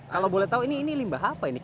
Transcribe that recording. kalau boleh tahu ini limbah apa ini